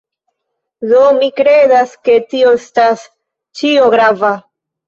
Do, mi kredas, ke tio estas ĉio grava.